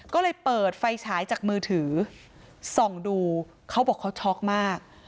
ก็เลยเปิดไฟฉายจากมือถือส่องดูเขาบอกเขาช็อกมาก